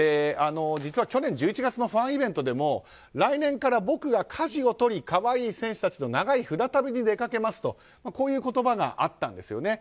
実は、去年１１月のファンイベントでも来年から僕がかじを取り可愛い選手たちと長い船旅に出かけますとこういう言葉があったんです。